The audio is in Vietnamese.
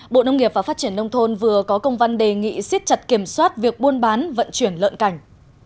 bộ nông nghiệp và phát triển nông thôn vừa có công văn đề nghị siết chặt kiểm soát việc buôn bán vận chuyển lợn cảnh